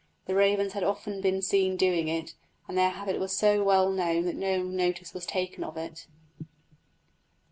The ravens had often been seen doing it, and their habit was so well known that no notice was taken of it.